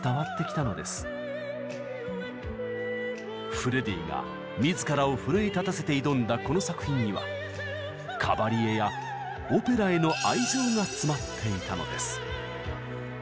フレディが自らを奮い立たせて挑んだこの作品にはカバリエやオペラへの愛情が詰まっていたのです。